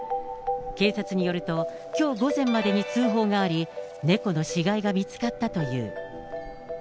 警察によると、きょう午前までに通報があり、猫の死骸が見つかったという。